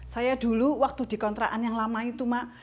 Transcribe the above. saya dulu waktu di kontrakan yang lama itu mak